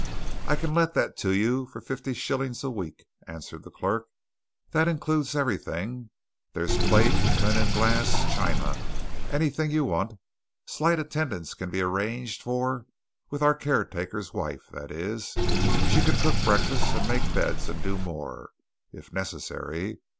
"I can let that to you for fifty shillings a week," answered the clerk. "That includes everything there's plate, linen, glass, china, anything you want. Slight attendance can be arranged for with our caretaker's wife that is, she can cook breakfast, and make beds, and do more, if necessary.